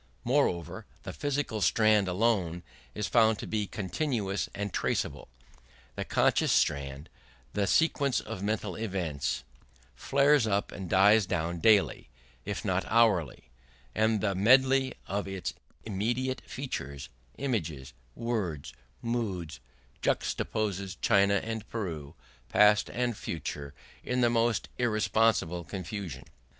Moreover, the physical strand alone is found to be continuous and traceable; the conscious strand, the sequence of mental events, flares up and dies down daily, if not hourly; and the medley of its immediate features images, words, moods juxtaposes China and Peru, past and future, in the most irresponsible confusion.